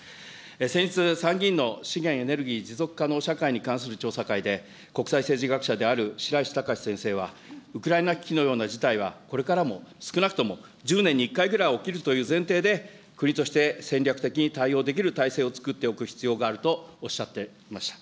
先日、参議院の資源エネルギー持続可能社会に関する調査会で、国際政治学者であるしらいしたかし先生はウクライナ危機のような事態は、これからも、少なくとも１０年に１回ぐらい起きるという前提で、国として戦略的に対応できる体制をつくっておく必要があるとおっしゃっていました。